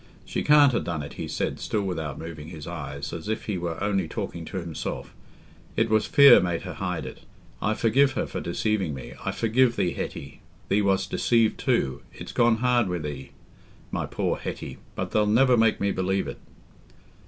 "She can't ha' done it," he said, still without moving his eyes, as if he were only talking to himself: "it was fear made her hide it... I forgive her for deceiving me... I forgive thee, Hetty... thee wast deceived too... it's gone hard wi' thee, my poor Hetty... but they'll never make me believe it."